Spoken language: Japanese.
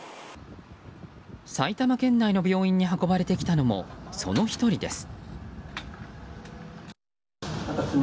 埼玉県内の病院に運ばれてきたのも、その１人です。